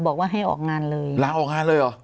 บอกว่าให้ออกงานเลยลาออกงานเลยเหรอ